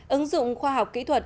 ứng dụng khoa học kỹ thuật